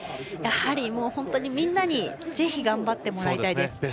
やはりみんなにぜひ頑張ってもらいたいです。